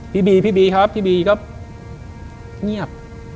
พี่บีครับพี่บีก็เงียบ